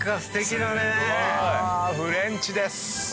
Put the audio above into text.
フレンチです。